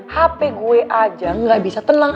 hp gue aja gak bisa tenang